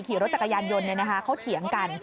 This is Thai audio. ขี่รถจักรยานยนต์เขาเถียงกัน